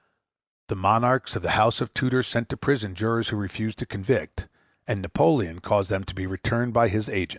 The monarchs of the House of Tudor sent to prison jurors who refused to convict, and Napoleon caused them to be returned by his agents.